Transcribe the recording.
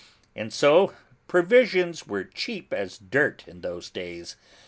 And so provisions were cheap as dirt in those days.